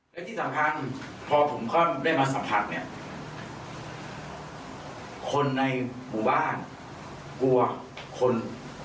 และที่สำคัญพอผมก็ได้มาสัมผัสเนี่ยคนในหมู่บ้านกลัวคน